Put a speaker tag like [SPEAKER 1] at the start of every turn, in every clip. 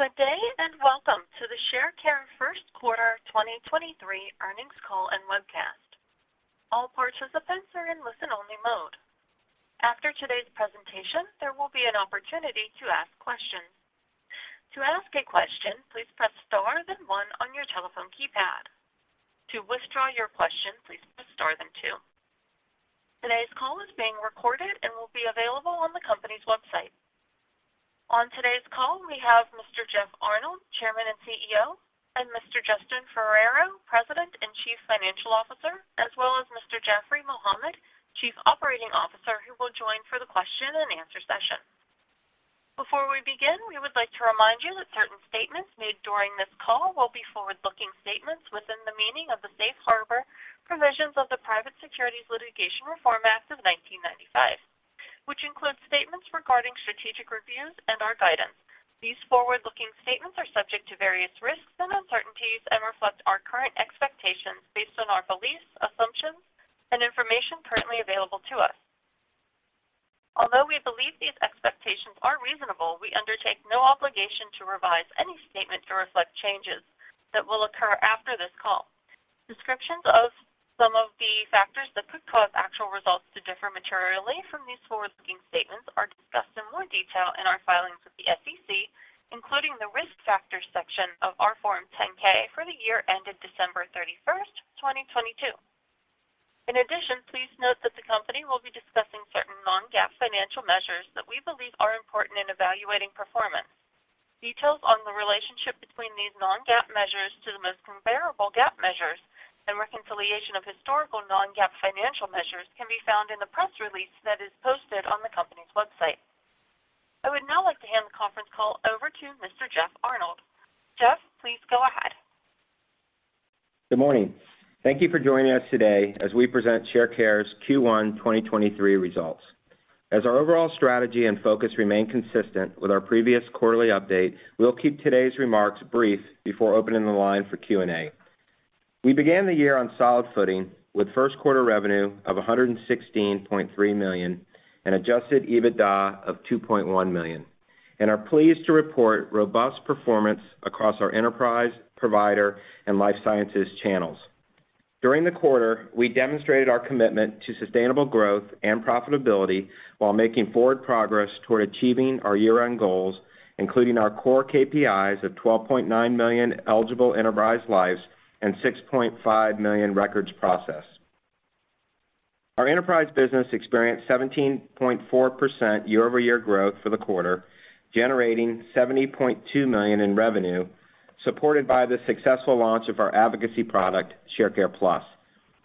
[SPEAKER 1] Good day, and welcome to the Sharecare first quarter 2023 earnings call and webcast. All participants are in listen-only mode. After today's presentation, there will be an opportunity to ask questions. To ask a question, please press star then one on your telephone keypad. To withdraw your question, please press star then two. Today's call is being recorded and will be available on the company's website. On today's call, we have Mr. Jeff Arnold, Chairman and CEO, and Mr. Justin Ferrero, President and Chief Financial Officer, as well as Mr. Jaffry Mohammed, Chief Operating Officer, who will join for the question and answer session. Before we begin, we would like to remind you that certain statements made during this call will be forward-looking statements within the meaning of the Safe Harbor Provisions of the Private Securities Litigation Reform Act of 1995, which includes statements regarding strategic reviews and our guidance. These forward-looking statements are subject to various risks and uncertainties and reflect our current expectations based on our beliefs, assumptions, and information currently available to us. Although we believe these expectations are reasonable, we undertake no obligation to revise any statement to reflect changes that will occur after this call. Descriptions of some of the factors that could cause actual results to differ materially from these forward-looking statements are discussed in more detail in our filings with the SEC, including the Risk Factors section of our Form 10-K for the year ended December 31st, 2022. In addition, please note that the company will be discussing certain non-GAAP financial measures that we believe are important in evaluating performance. Details on the relationship between these non-GAAP measures to the most comparable GAAP measures and reconciliation of historical non-GAAP financial measures can be found in the press release that is posted on the company's website. I would now like to hand the conference call over to Mr. Jeff Arnold. Jeff, please go ahead.
[SPEAKER 2] Good morning. Thank you for joining us today as we present Sharecare's Q1 2023 results. As our overall strategy and focus remain consistent with our previous quarterly update, we'll keep today's remarks brief before opening the line for Q&A. We began the year on solid footing with first quarter revenue of $116.3 million and adjusted EBITDA of $2.1 million, and are pleased to report robust performance across our enterprise, provider, and life sciences channels. During the quarter, we demonstrated our commitment to sustainable growth and profitability while making forward progress toward achieving our year-end goals, including our core KPIs of 12.9 million eligible enterprise lives and 6.5 million records processed. Our enterprise business experienced 17.4% year-over-year growth for the quarter, generating $70.2 million in revenue, supported by the successful launch of our advocacy product, Sharecare Plus,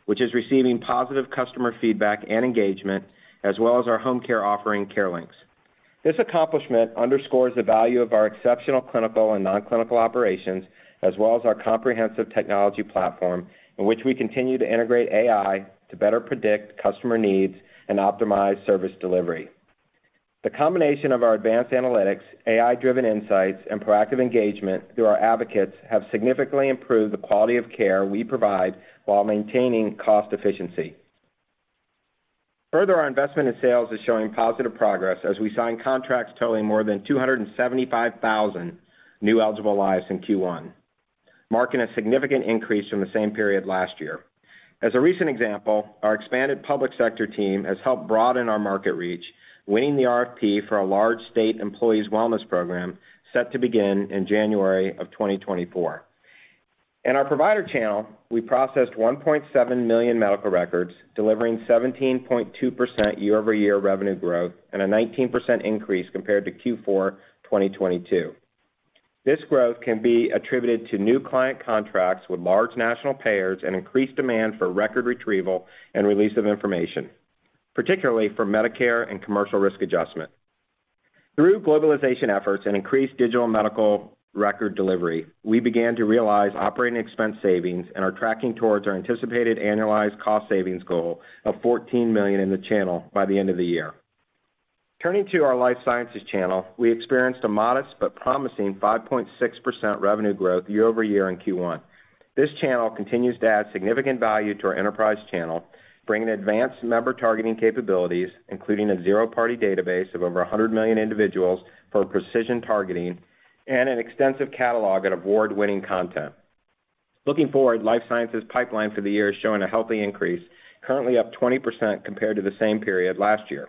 [SPEAKER 2] which is receiving positive customer feedback and engagement, as well as our home care offering, CareLinx. This accomplishment underscores the value of our exceptional clinical and non-clinical operations, as well as our comprehensive technology platform in which we continue to integrate AI to better predict customer needs and optimize service delivery. The combination of our advanced analytics, AI-driven insights, and proactive engagement through our advocates have significantly improved the quality of care we provide while maintaining cost efficiency. Our investment in sales is showing positive progress as we sign contracts totaling more than 275,000 new eligible lives in Q1, marking a significant increase from the same period last year. As a recent example, our expanded public sector team has helped broaden our market reach, winning the RFP for a large state employees wellness program set to begin in January 2024. In our provider channel, we processed 1.7 million medical records, delivering 17.2% year-over-year revenue growth and a 19% increase compared to Q4 2022. This growth can be attributed to new client contracts with large national payers and increased demand for record retrieval and release of information, particularly for Medicare and commercial risk adjustment. Through globalization efforts and increased digital medical record delivery, we began to realize operating expense savings and are tracking towards our anticipated annualized cost savings goal of $14 million in the channel by the end of the year. Turning to our Life Sciences channel, we experienced a modest but promising 5.6% revenue growth year-over-year in Q1. This channel continues to add significant value to our enterprise channel, bringing advanced member targeting capabilities, including a zero-party database of over 100 million individuals for precision targeting and an extensive catalog at award-winning content. Looking forward, Life Sciences pipeline for the year is showing a healthy increase, currently up 20% compared to the same period last year.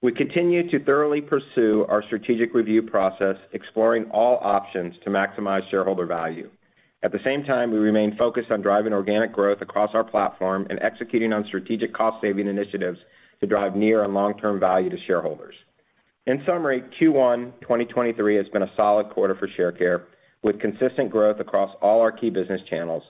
[SPEAKER 2] We continue to thoroughly pursue our strategic review process, exploring all options to maximize shareholder value. At the same time, we remain focused on driving organic growth across our platform and executing on strategic cost-saving initiatives to drive near and long-term value to shareholders. In summary, Q1 2023 has been a solid quarter for Sharecare, with consistent growth across all our key business channels.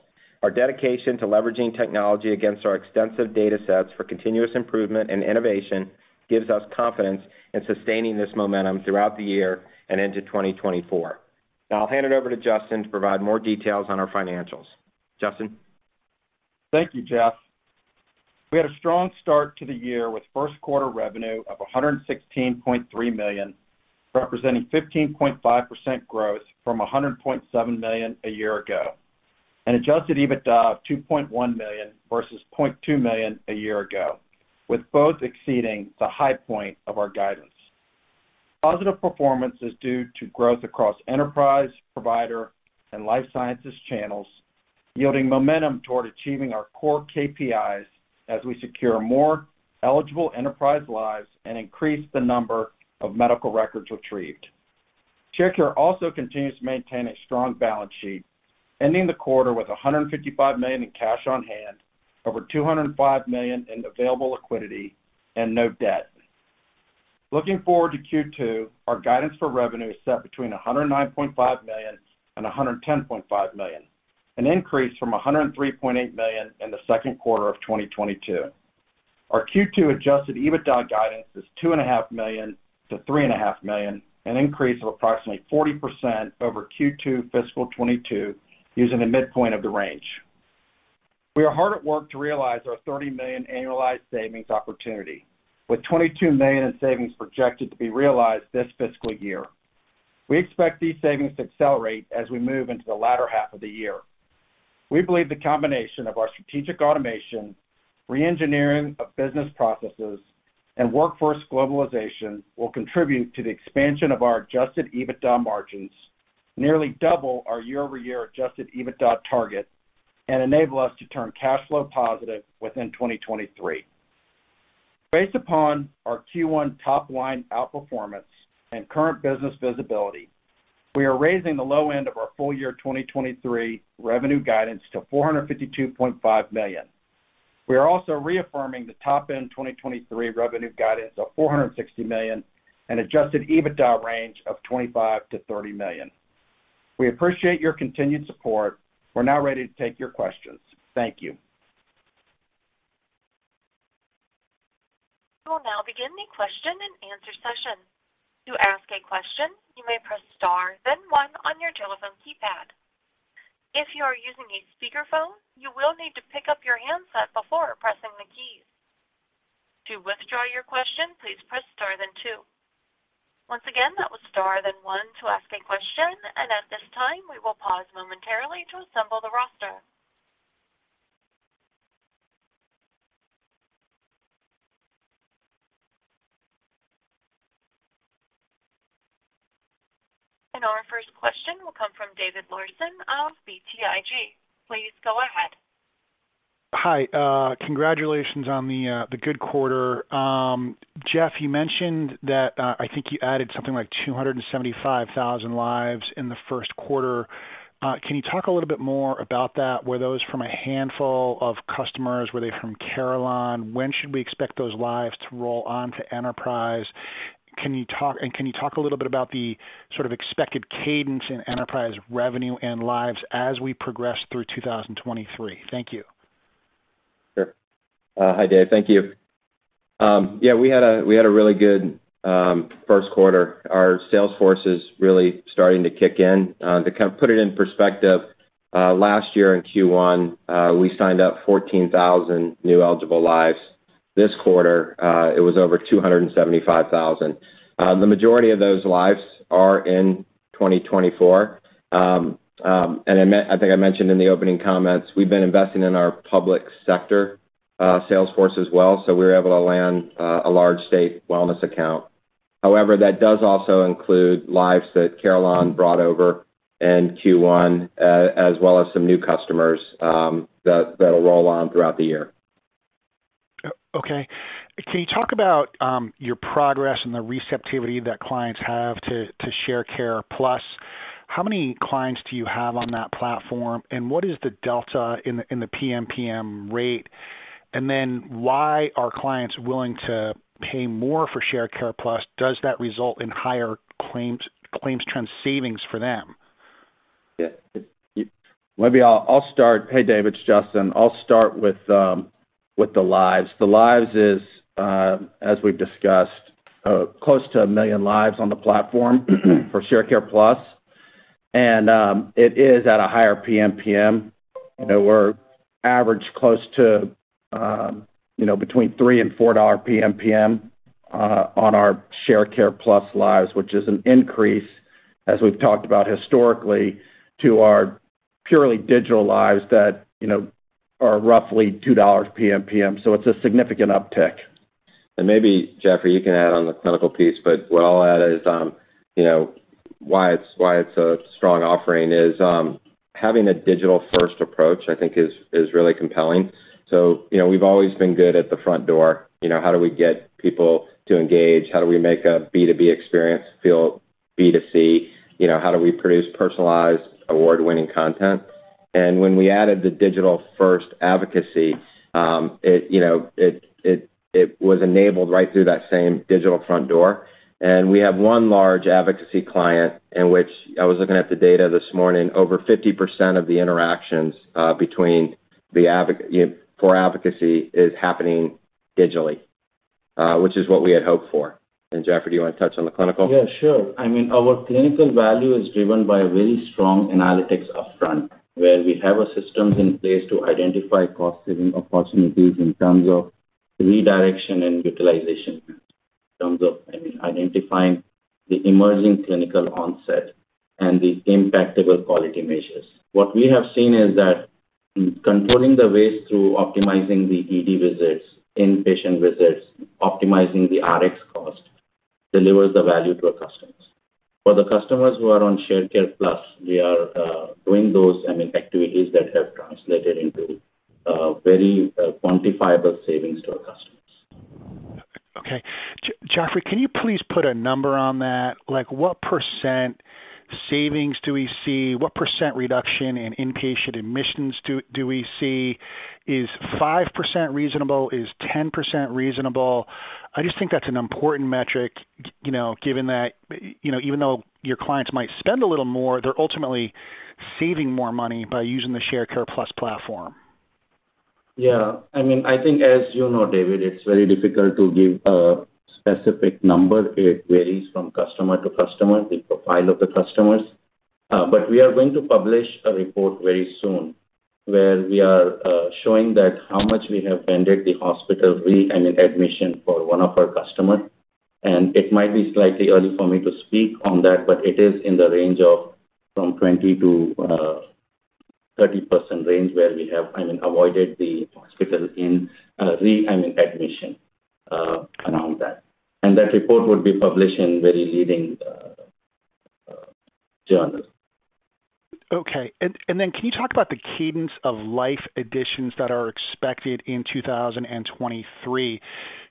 [SPEAKER 2] Our dedication to leveraging technology against our extensive data sets for continuous improvement and innovation gives us confidence in sustaining this momentum throughout the year and into 2024. I'll hand it over to Justin to provide more details on our financials. Justin?
[SPEAKER 3] Thank you, Jeff. We had a strong start to the year with first quarter revenue of $116.3 million, representing 15.5% growth from $100.7 million a year ago. Adjusted EBITDA of $2.1 million versus $0.2 million a year ago, with both exceeding the high point of our guidance. Positive performance is due to growth across enterprise, provider, and life sciences channels, yielding momentum toward achieving our core KPIs as we secure more eligible enterprise lives and increase the number of medical records retrieved. Sharecare also continues to maintain a strong balance sheet, ending the quarter with $155 million in cash on hand, over $205 million in available liquidity, and no debt. Looking forward to Q2, our guidance for revenue is set between $109.5 million and $110.5 million, an increase from $103.8 million in the second quarter of 2022. Our Q2 adjusted EBITDA guidance is two and a half million to three and a half million, an increase of approximately 40% over Q2 fiscal 2022 using the midpoint of the range. We are hard at work to realize our $30 million annualized savings opportunity, with $22 million in savings projected to be realized this fiscal year. We expect these savings to accelerate as we move into the latter half of the year. We believe the combination of our strategic automation, re-engineering of business processes, and workforce globalization will contribute to the expansion of our adjusted EBITDA margins, nearly double our year-over-year adjusted EBITDA target, and enable us to turn cash flow positive within 2023. Based upon our Q1 top line outperformance and current business visibility, we are raising the low end of our full year 2023 revenue guidance to $452.5 million. We are also reaffirming the top end 2023 revenue guidance of $460 million and adjusted EBITDA range of $25 million-$30 million. We appreciate your continued support. We're now ready to take your questions. Thank you.
[SPEAKER 1] We will now begin the question-and-answer session. To ask a question, you may press star then 1 on your telephone keypad. If you are using a speakerphone, you will need to pick up your handset before pressing the keys. To withdraw your question, please press star then 2. Once again, that was star then 1 to ask a question. At this time, we will pause momentarily to assemble the roster. Our first question will come from David Larsen of BTIG. Please go ahead.
[SPEAKER 4] Hi, congratulations on the good quarter. Jeff, you mentioned that, I think you added something like 275,000 lives in the first quarter. Can you talk a little bit more about that? Were those from a handful of customers? Were they from Carelon? When should we expect those lives to roll on to Enterprise? Can you talk a little bit about the sort of expected cadence in Enterprise revenue and lives as we progress through 2023? Thank you.
[SPEAKER 2] Sure. Hi, Dave. Thank you. Yeah, we had a really good first quarter. Our sales force is really starting to kick in. To kind of put it in perspective, last year in Q1, we signed up 14,000 new eligible lives. This quarter, it was over 275,000. The majority of those lives are in 2024. I think I mentioned in the opening comments, we've been investing in our public sector sales force as well, so we were able to land a large state wellness account. However, that does also include lives that Carelon brought over in Q1, as well as some new customers that'll roll on throughout the year.
[SPEAKER 4] Okay. Can you talk about your progress and the receptivity that clients have to Sharecare Plus? How many clients do you have on that platform, and what is the delta in the PMPM rate? Why are clients willing to pay more for Sharecare Plus? Does that result in higher claims trend savings for them?
[SPEAKER 3] Yeah. Maybe I'll start. Hey, David, it's Justin. I'll start with the lives. The lives is, as we've discussed, close to 1 million lives on the platform for Sharecare Plus. It is at a higher PMPM. You know, we're average close to, you know, between $3 and $4 PMPM on our Sharecare Plus lives, which is an increase, as we've talked about historically, to our purely digital lives that, you know, are roughly $2 PMPM. It's a significant uptick. Maybe, Jaffry, you can add on the clinical piece, but what I'll add is, you know, why it's, why it's a strong offering is, having a digital-first approach, I think is really compelling. You know, we've always been good at the front door. You know, how do we get people to engage? How do we make a B2B experience feel B2C? You know, how do we produce personalized award-winning content? When we added the digital-first advocacy, it, you know, it was enabled right through that same digital front door. We have 1 large advocacy client in which I was looking at the data this morning, over 50% of the interactions for advocacy is happening digitally, which is what we had hoped for. Jaffry, do you wanna touch on the clinical?
[SPEAKER 5] Yeah, sure. I mean, our clinical value is driven by a very strong analytics upfront, where we have a systems in place to identify cost-saving opportunities in terms of redirection and utilization. In terms of, I mean, identifying the emerging clinical onset and the impactable quality measures. What we have seen is that controlling the waste through optimizing the ED visits, inpatient visits, optimizing the RX cost, delivers the value to our customers. For the customers who are on Sharecare Plus, we are doing those, I mean, activities that have translated into very quantifiable savings to our customers.
[SPEAKER 4] Okay. Jaffry, can you please put a number on that? Like, what percent savings do we see? What percent reduction in inpatient admissions do we see? Is 5% reasonable? Is 10% reasonable? I just think that's an important metric, you know, given that, you know, even though your clients might spend a little more, they're ultimately saving more money by using the Sharecare Plus platform.
[SPEAKER 5] I mean, I think as you know, David, it's very difficult to give a specific number. It varies from customer to customer, the profile of the customers. We are going to publish a report very soon where we are showing that how much we have vended the hospital readmission for one of our customer. It might be slightly early for me to speak on that, but it is in the range of from 20%-30% range where we have, I mean, avoided the hospital in readmission around that. That report would be published in very leading journals.
[SPEAKER 4] Okay. Then can you talk about the cadence of life additions that are expected in 2023?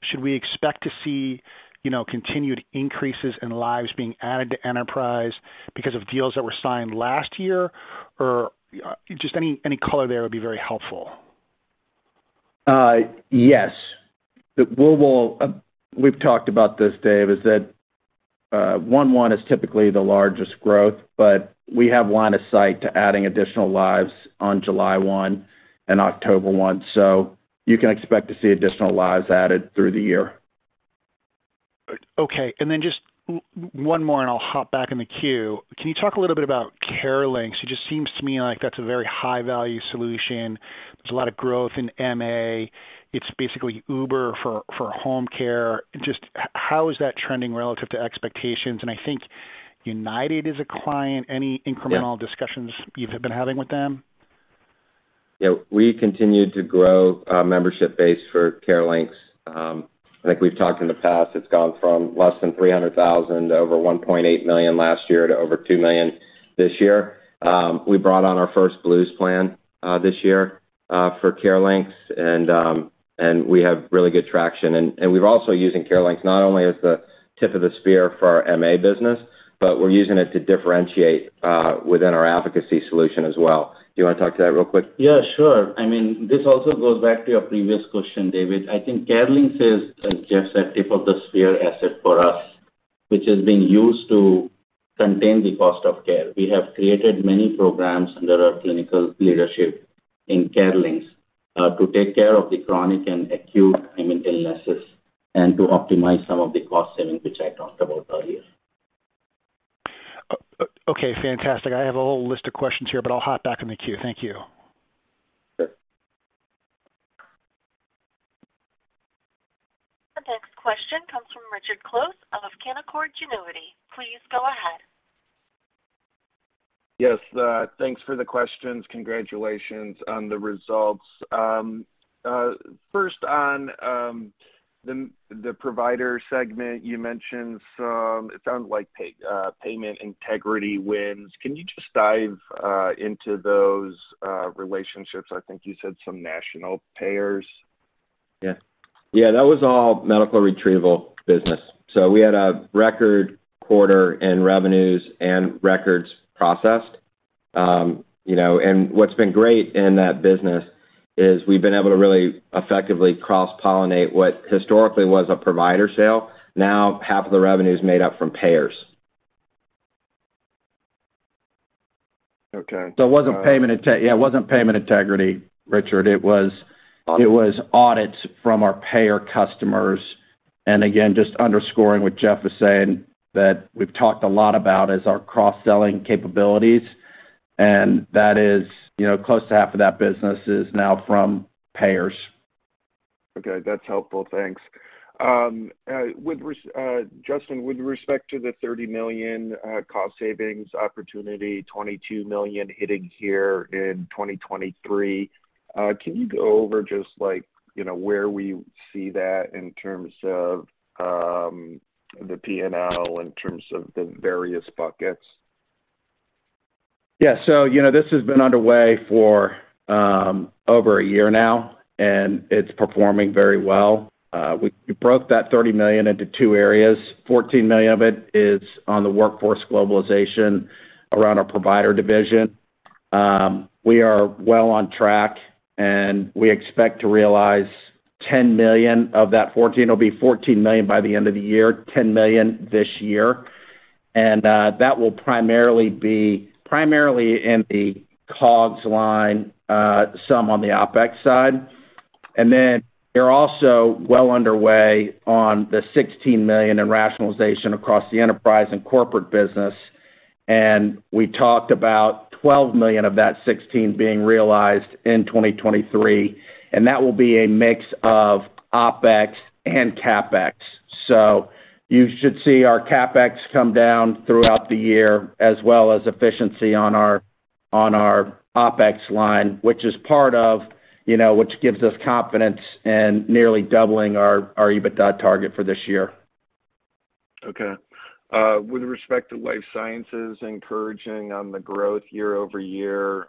[SPEAKER 4] Should we expect to see, you know, continued increases in lives being added to enterprise because of deals that were signed last year? Just any color there would be very helpful.
[SPEAKER 3] Yes. We will, we've talked about this, Dave, is that, Q1 is typically the largest growth, but we have line of sight to adding additional lives on July 1 and October 1. You can expect to see additional lives added through the year.
[SPEAKER 4] Okay. Then just one more, and I'll hop back in the queue. Can you talk a little bit about CareLinx? It just seems to me like that's a very high-value solution. There's a lot of growth in MA. It's basically Uber for home care. Just how is that trending relative to expectations? I think United is a client. Any incremental.
[SPEAKER 3] Yeah.
[SPEAKER 4] -discussions you've been having with them?
[SPEAKER 3] Yeah. We continue to grow our membership base for CareLinx. I think we've talked in the past, it's gone from less than 300,000 to over $1.8 million last year to over $2 million this year. We brought on our first Blues plan this year for CareLinx, and we have really good traction. We're also using CareLinx not only as the tip of the spear for our MA business, but we're using it to differentiate within our advocacy solution as well. Do you wanna talk to that real quick?
[SPEAKER 5] Yeah, sure. I mean, this also goes back to your previous question, David. I think CareLinx is, as Jeff said, tip of the spear asset for us, which is being used to contain the cost of care. We have created many programs under our clinical leadership in CareLinx, to take care of the chronic and acute, I mean, illnesses and to optimize some of the cost saving, which I talked about earlier.
[SPEAKER 4] Okay, fantastic. I have a whole list of questions here, but I'll hop back in the queue. Thank you.
[SPEAKER 5] Sure.
[SPEAKER 1] The next question comes from Richard Close of Canaccord Genuity. Please go ahead.
[SPEAKER 6] Yes. Thanks for the questions. Congratulations on the results. First on the provider segment, you mentioned some, it sounds like payment integrity wins. Can you just dive into those relationships? I think you said some national payers.
[SPEAKER 3] Yeah. That was all medical retrieval business. We had a record quarter in revenues and records processed. You know, what's been great in that business is we've been able to really effectively cross-pollinate what historically was a provider sale. Now, half of the revenue is made up from payers.
[SPEAKER 6] Okay.
[SPEAKER 3] It wasn't payment integrity, Richard. It was.
[SPEAKER 6] Audits.
[SPEAKER 3] It was audits from our payer customers, and again, just underscoring what Jeff was saying, that we've talked a lot about is our cross-selling capabilities, and that is, you know, close to half of that business is now from payers.
[SPEAKER 6] Okay. That's helpful. Thanks. Justin, with respect to the $30 million cost savings opportunity, $22 million hitting here in 2023, can you go over just like, you know, where we see that in terms of the P&L, in terms of the various buckets?
[SPEAKER 3] Yeah. You know, this has been underway for over a year now, and it's performing very well. We broke that $30 million into two areas. $14 million of it is on the workforce globalization around our provider division. We are well on track, and we expect to realize $10 million of that $14 million. It'll be $14 million by the end of the year, $10 million this year. That will primarily be in the COGS line, some on the OpEx side. Then we're also well underway on the $16 million in rationalization across the enterprise and corporate business. We talked about $12 million of that $16 million being realized in 2023, and that will be a mix of OpEx and CapEx. You should see our CapEx come down throughout the year as well as efficiency on our OpEx line, which is part of, you know, which gives us confidence in nearly doubling our EBITDA target for this year.
[SPEAKER 2] Okay. With respect to life sciences, encouraging on the growth year-over-year,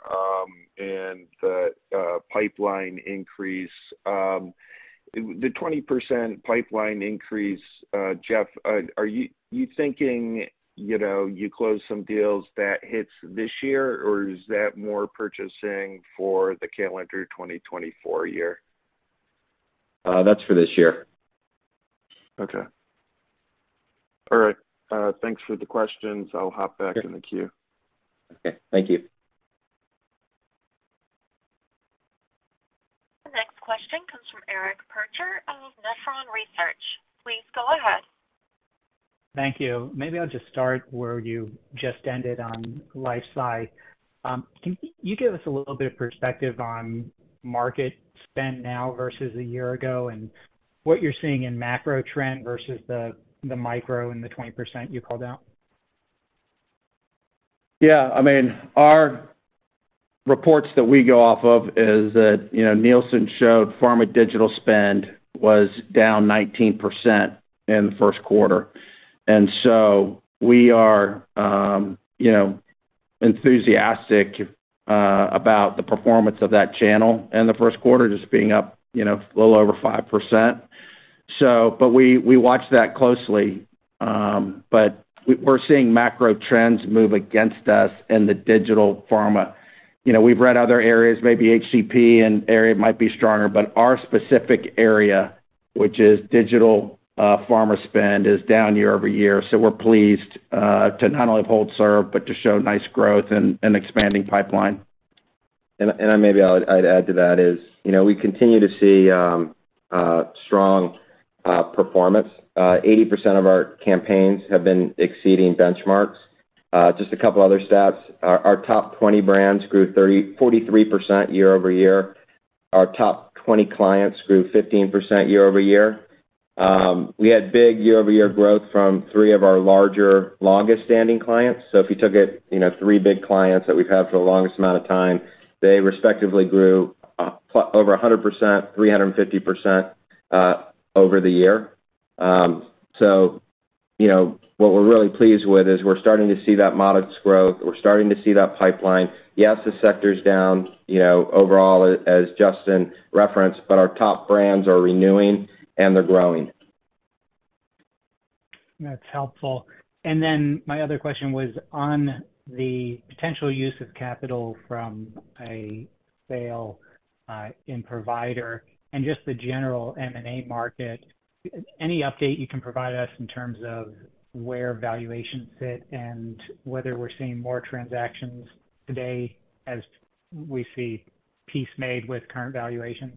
[SPEAKER 2] and the pipeline increase. The 20% pipeline increase, Jeff, are you thinking, you know, you close some deals that hits this year, or is that more purchasing for the calendar 2024 year? That's for this year. Okay. All right. Thanks for the questions. I'll hop back in the queue.
[SPEAKER 3] Okay. Thank you.
[SPEAKER 1] The next question comes from Eric Percher of Nephron Research. Please go ahead.
[SPEAKER 7] Thank you. Maybe I'll just start where you just ended on life sci. Can you give us a little bit of perspective on market spend now versus a year ago and what you're seeing in macro trend versus the micro and the 20% you called out?
[SPEAKER 3] Yeah, I mean, our reports that we go off of is that, you know, Nielsen showed pharma digital spend was down 19% in the Q1. We are, you know, enthusiastic about the performance of that channel in the Q1 just being up, you know, a little over 5%. We watch that closely. We're seeing macro trends move against us in the digital pharma. You know, we've read other areas, maybe HCP and area might be stronger, but our specific area, which is digital, pharma spend, is down year-over-year. We're pleased to not only hold serve, but to show nice growth and expanding pipeline.
[SPEAKER 2] I maybe I'd add to that is, you know, we continue to see strong performance. 80% of our campaigns have been exceeding benchmarks. Just a couple other stats. Our top 20 brands grew 30%-43% year-over-year. Our top 20 clients grew 15% year-over-year. We had big year-over-year growth from three of our larger, longest standing clients. If you took it, you know, three big clients that we've had for the longest amount of time, they respectively grew over 100%, 350% over the year. You know, what we're really pleased with is we're starting to see that modest growth. We're starting to see that pipeline. Yes, the sector's down, you know, overall as Justin referenced. Our top brands are renewing and they're growing.
[SPEAKER 7] That's helpful. My other question was on the potential use of capital from a sale in provider and just the general M&A market. Any update you can provide us in terms of where valuations sit and whether we're seeing more transactions today as we see peace made with current valuations?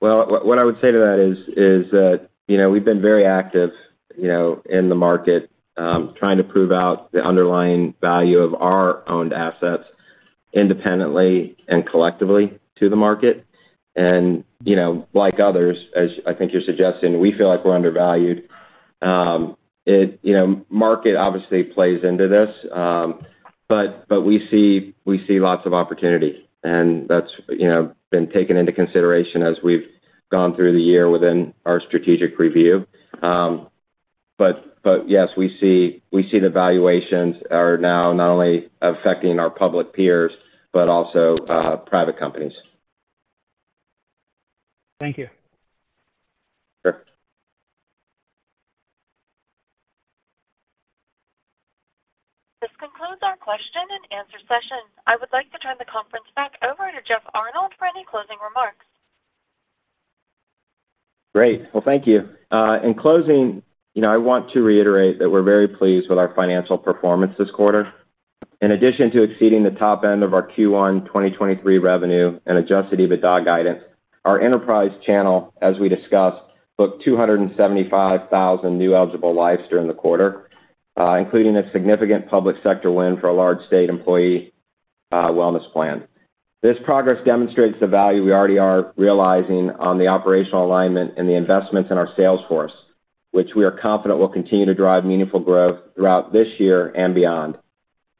[SPEAKER 3] Well, what I would say to that is that, you know, we've been very active, you know, in the market, trying to prove out the underlying value of our owned assets independently and collectively to the market. You know, like others, as I think you're suggesting, we feel like we're undervalued. It, you know, market obviously plays into this, but we see lots of opportunity, and that's, you know, been taken into consideration as we've gone through the year within our strategic review. Yes, we see the valuations are now not only affecting our public peers but also private companies.
[SPEAKER 7] Thank you.
[SPEAKER 3] Sure.
[SPEAKER 1] This concludes our question-and-answer session. I would like to turn the conference back over to Jeff Arnold for any closing remarks.
[SPEAKER 3] Great. Well, thank you. In closing, you know, I want to reiterate that we're very pleased with our financial performance this quarter. In addition to exceeding the top end of our Q1 2023 revenue and adjusted EBITDA guidance, our enterprise channel, as we discussed, booked 275,000 new eligible lives during the quarter, including a significant public sector win for a large state employee wellness plan. This progress demonstrates the value we already are realizing on the operational alignment and the investments in our sales force, which we are confident will continue to drive meaningful growth throughout this year and beyond.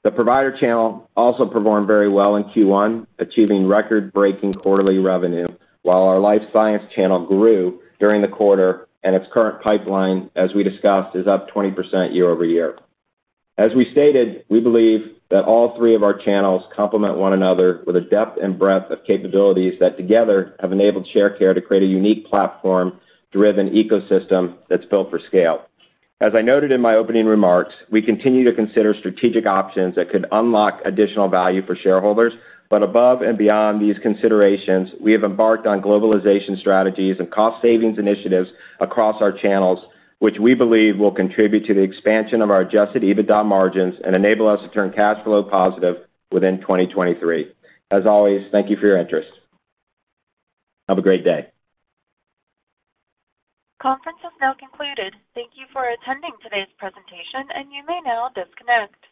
[SPEAKER 3] The provider channel also performed very well in Q1, achieving record-breaking quarterly revenue, while our life science channel grew during the quarter, and its current pipeline, as we discussed, is up 20% year-over-year. As we stated, we believe that all three of our channels complement one another with a depth and breadth of capabilities that together have enabled Sharecare to create a unique platform-driven ecosystem that's built for scale. As I noted in my opening remarks, we continue to consider strategic options that could unlock additional value for shareholders. Above and beyond these considerations, we have embarked on globalization strategies and cost savings initiatives across our channels, which we believe will contribute to the expansion of our adjusted EBITDA margins and enable us to turn cash flow positive within 2023. As always, thank you for your interest. Have a great day.
[SPEAKER 1] Conference is now concluded. Thank you for attending today's presentation. You may now disconnect.